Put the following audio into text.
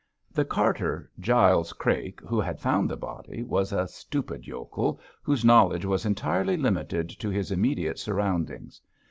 The carter, Giles Crake, who had found the body, was a stupid yokel whose knowledge was entirely limited to his immediate surroundings.